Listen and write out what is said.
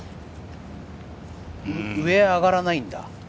上に上がらないんだ？